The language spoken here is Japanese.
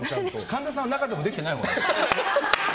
神田さんは中でもできてないほう。